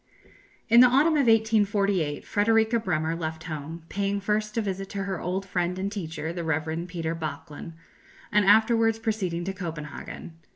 In the autumn of 1848 Frederika Bremer left home, paying first a visit to her old friend and teacher, the Rev. Peter Böklin, and afterwards proceeding to Copenhagen.